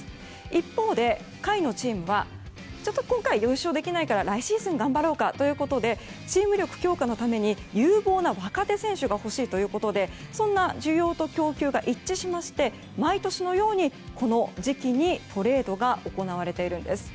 一方で下位のチームは今回は優勝できないから来シーズン頑張ろうかということでチーム力強化のため有望な若手選手が欲しいということでそんな需要と供給が一致しまして毎年のように、この時期にトレードが行われているんです。